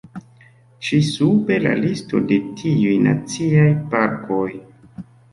Ĉi sube la listo de tiuj naciaj parkoj.